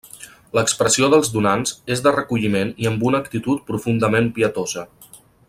L'expressió dels donants és de recolliment i amb una actitud profundament pietosa.